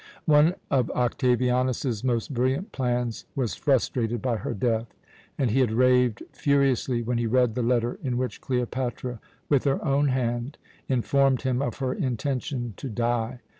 One of Octavianus's most brilliant plans was frustrated by her death, and he had raved furiously when he read the letter in which Cleopatra, with her own hand, informed him of her intention to die.